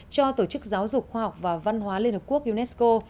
cho tổ chức giáo dục khoa học và văn hóa liên hợp quốc unesco